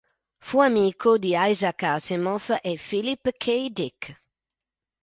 Fu amico di Isaac Asimov e Philip K. Dick.